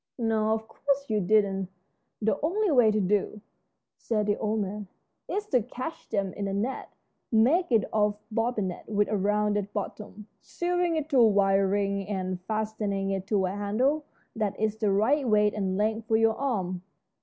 "No, of course you didn't. The only way to do," said the old man, "is to catch them in a net. Make it of bobinet with a rounded bottom, sewing it to a wire ring and fastening it to a handle that is the right weight and length for your arm."